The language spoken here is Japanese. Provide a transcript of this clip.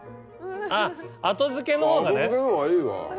後づけのほうがいいわ。